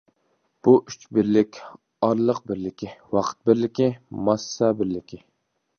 بۇ ئۈچ بىرلىك: ئارىلىق بىرلىكى، ۋاقىت بىرلىكى، ماسسا بىرلىكى.